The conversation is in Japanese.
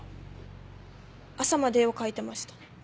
朝まで絵を描いてました。